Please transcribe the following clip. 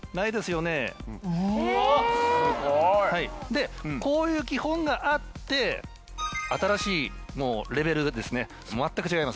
でこういう基本があって新しいレベルですねまったく違いますね。